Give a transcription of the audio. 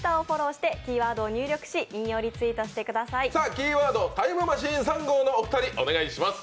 キーワード、タイムマシーン３号のお二人、お願いします。